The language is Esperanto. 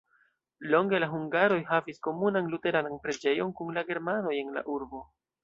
Longe la hungaroj havis komunan luteranan preĝejon kun la germanoj en la urbo.